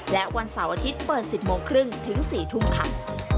และวันเสาร์อาทิตย์เปิด๑๐โมงครึ่งถึง๔ทุ่มค่ะ